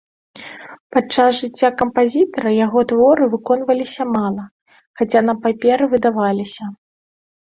Падчас жыцця кампазітара яго творы выконвалася мала, хаця на паперы выдаваліся.